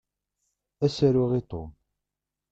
Ad as-aruɣ i Tom.